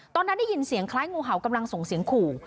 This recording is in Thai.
ตอนนั้นได้ยินเสียงคล้ายงูเห่ากำลังส่งเสียงขู่